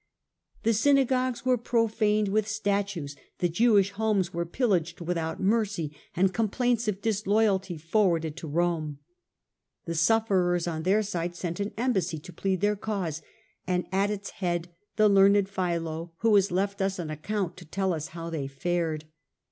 The synagogues were profaned with statues, the Jewish homes were pillaged without mercy, and complaints of disloyalty forwarded to Rome. The sufferers on their side sent an embassy to plead their cause, and at its head the learned Philo, who has left us an account to tell us how they fared.